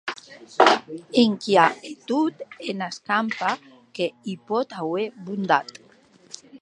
Enquia e tot ena escampa que i pòt auer bontat.